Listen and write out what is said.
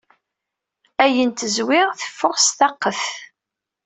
Ayen tezwit teffeɣ s taqqet.